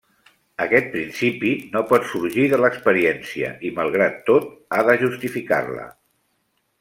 Aquest principi no pot sorgir de l'experiència, i malgrat tot, ha de justificar-la.